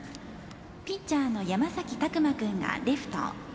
ピッチャーの山崎琢磨君がレフト。